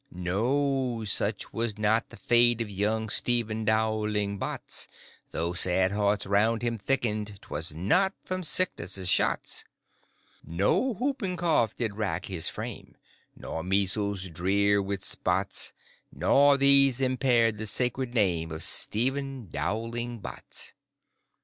No; such was not the fate of Young Stephen Dowling Bots; Though sad hearts round him thickened, 'Twas not from sickness' shots. No whooping cough did rack his frame, Nor measles drear with spots; Not these impaired the sacred name Of Stephen Dowling Bots.